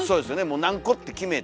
もう何個って決めて。